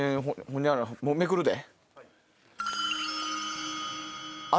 もうめくるで。